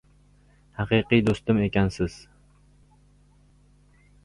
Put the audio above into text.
— Haqiqiy do‘stim ekansiz!